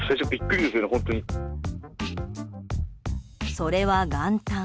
それは、元旦。